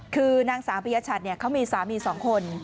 คือนางสาวปริยชัดเขามีสามี๒คน